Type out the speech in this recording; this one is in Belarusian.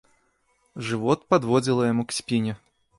Жывот падводзіла яму к спіне.